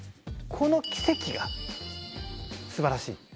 この奇跡が素晴らしい。